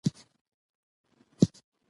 تالابونه د افغانستان د ځایي اقتصادونو بنسټ دی.